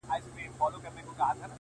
ز ماپر حا ل باندي ژړا مه كوه؛